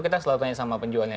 kita selalu tanya sama penjualnya